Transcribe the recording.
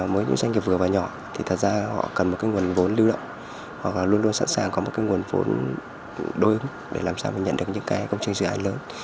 mới những doanh nghiệp vừa và nhỏ thì thật ra họ cần một cái nguồn vốn lưu động họ luôn luôn sẵn sàng có một cái nguồn vốn đối ứng để làm sao nhận được những công trình dự án lớn